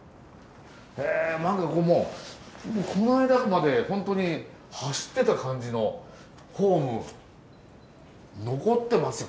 へ何かもうこの間までホントに走ってた感じのホーム残ってますよ。